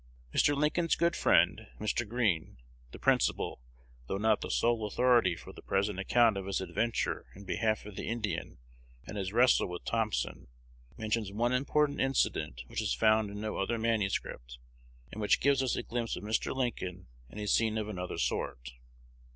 Mr. Lincoln's good friend, Mr. Green, the principal, though not the sole authority for the present account of his adventure in behalf of the Indian and his wrestle with Thompson, mentions one important incident which is found in no other manuscript, and which gives us a glimpse of Mr. Lincoln in a scene of another sort.